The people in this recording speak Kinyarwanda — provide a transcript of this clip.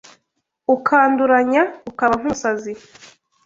Ukanduranya ukaba nk’umusazi